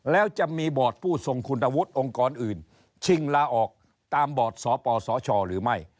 แล้วจะมีบอร์ดผู้ทรงคุณวุฒิองค์กรอื่นชิงลาออกตามบอร์ดสปสชหรือไม่